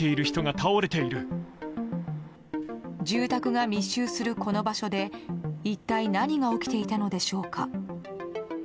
住宅が密集するこの場所で一体何が起きていたのでしょうか。